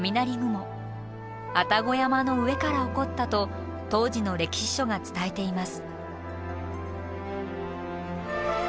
愛宕山の上から起こったと当時の歴史書が伝えています。